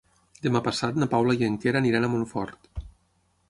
Demà passat na Paula i en Quer aniran a Montfort.